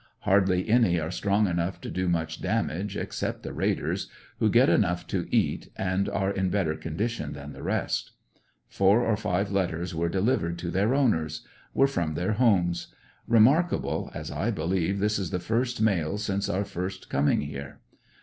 Hardly any are strong enough to do much damage except the raiders, who get enough to eat and are in better condition than the rest. Four or fiYQ letters were delivered to their owners. Were from their homes. Remark able, as I believe this is the first mail since our first coming here.